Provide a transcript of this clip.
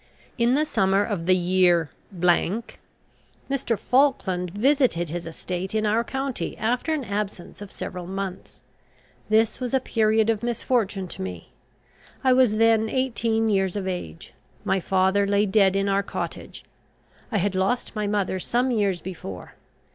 In the summer of the year , Mr. Falkland visited his estate in our county after an absence of several months. This was a period of misfortune to me. I was then eighteen years of age. My father lay dead in our cottage. I had lost my mother some years before.